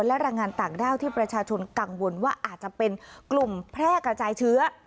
และแรงงานต่างด้าวที่ประชาชนกังวลว่าอาจจะเป็นกลุ่มแพร่กระจายเชื้อ